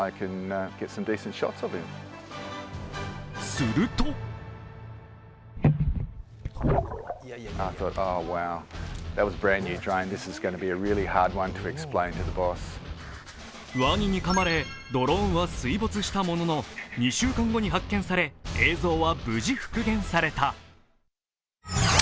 するとワニにかまれ、ドローンは水没したものの２週間後に発見され、映像は無事、復元された。